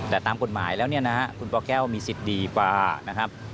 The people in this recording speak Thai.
แต่ตามกฎหมายแล้วเนี่ยนะฮะคุณปแก้วมีสิทธิ์ดีกว่านะครับ